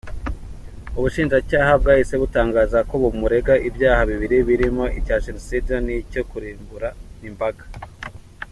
Ubushinjacyaha bwahise butangaza ko bumurega ibyaha bibiri birimo icya Jenoside n’icyo kurimbura imbaga.